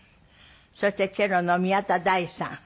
そしてチェロの宮田大さん。